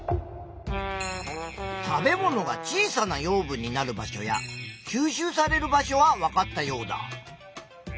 食べ物が小さな養分になる場所や吸収される場所はわかったヨウダ。